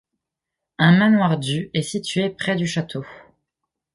Un manoir du est situé près du château.